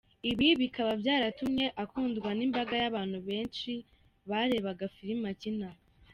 Ibi bikaba byaratumye akundwa n’imbaga y’abantu benshi barebaga filimi akina.